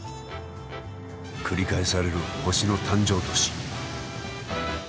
繰り返される星の誕生と死。